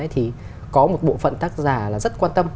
thì có một bộ phận tác giả là rất quan tâm